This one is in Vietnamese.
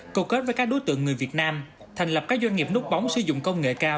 cầu kết với các đối tượng người việt nam thành lập các doanh nghiệp nút bóng sử dụng công nghệ cao